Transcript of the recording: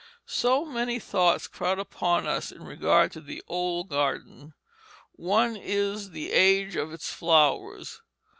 So many thoughts crowd upon us in regard to the old garden; one is the age of its flowers.